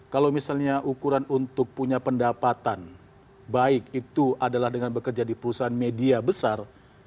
kalau misalnya ukuran untuk punya pendapatan baik itu adalah dengan bekerja di perusahaan media besar